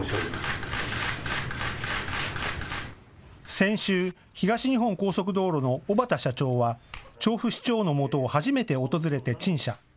先週、東日本高速道路の小畠社長は調布市長のもとを初めて訪れて陳謝。